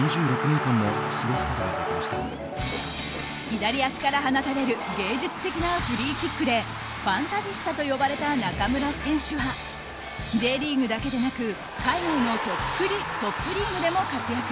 左足から放たれる芸術的なフリーキックでファンタジスタと呼ばれた中村選手はＪリーグだけでなく海外のトップリーグでも活躍。